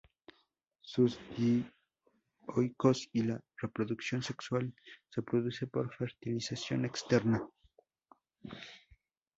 Son dioicos y la reproducción sexual se produce por fertilización externa.